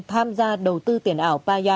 tham gia đầu tư tiền ảo